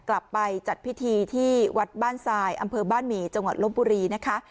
จัดพิธีที่วัดบ้านทรายอำเภอบ้านหมี่จังหวัดลบบุรีนะคะ